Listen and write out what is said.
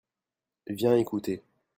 viens écouter.